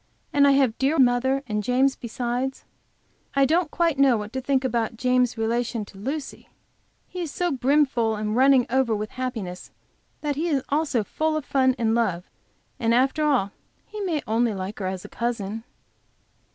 And I have dear mother and James besides. I don't quite know what to think about James' relation to Lucy. He is so brimful running over with happiness that he is also full of fun and of love, and after all he may only like her as a cousin.